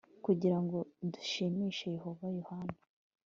kugira ngo dushimishe Yehova Yohana